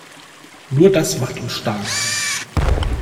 Nur das macht uns stark!